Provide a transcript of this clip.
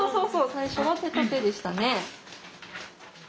最初は手と手でしたね。